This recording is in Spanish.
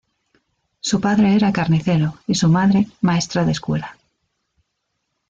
Su padre era carnicero y su madre maestra de escuela.